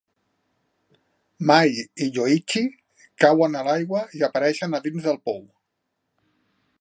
Mai i Yoichi cauen a l'aigua i apareixen a dins del pou.